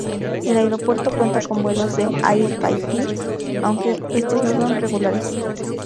El aeropuerto cuenta con vuelos de Air Tahití, aunque estos no son regulares.